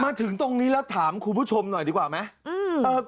มาถึงตรงนี้แล้วถามคุณผู้ชมหน่อยดีกว่าไหม